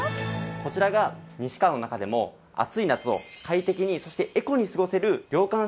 こちらが西川の中でも暑い夏を快適にそしてエコに過ごせる涼感